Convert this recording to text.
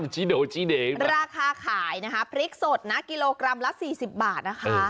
ชี้โดชี้เดงราคาขายนะคะพริกสดนะกิโลกรัมละ๔๐บาทนะคะ